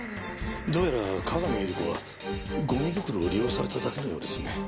どうやら各務百合子はゴミ袋を利用されただけのようですね。